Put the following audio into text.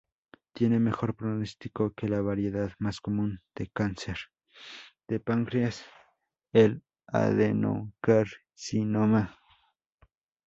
Tienen mejor pronóstico que la variedad más común de cáncer de páncreas, el adenocarcinoma.